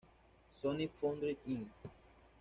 Sonic Foundry Inc.